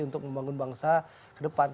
untuk membangun bangsa ke depan